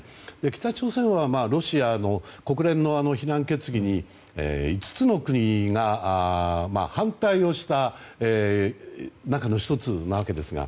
北朝鮮はロシアの国連の非難決議に５つの国が反対した中の１つなわけですが。